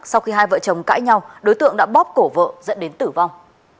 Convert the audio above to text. sau khi hai vợ chồng cãi nhau đối tượng đã bóp cổ vợ dẫn đến tử vong